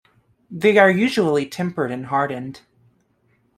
They are usually tempered and hardened.